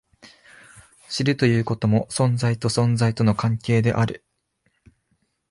知るということも、存在と存在との関係である。